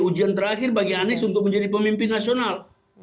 ujian terakhir bagi anies untuk menjadi pemimpin nasional